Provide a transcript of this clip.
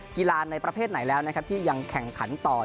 กีฬาในประเภทในหลายแล้วที่ยังแข่งขันต่อ